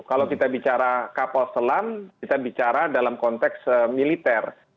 kalau kita bicara kapal selam kita bicara dalam konteks militer